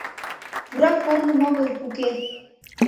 Пурак корным огыл, уке!